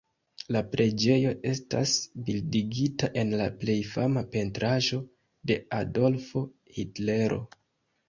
La preĝejo estas bildigita en la plej fama pentraĵo de Adolfo Hitlero.